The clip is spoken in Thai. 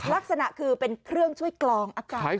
ลักษณะคือเป็นเครื่องช่วยกลองอากาศ